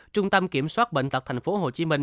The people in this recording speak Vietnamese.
trung tâm kiểm soát bệnh tật thành phố hồ chí minh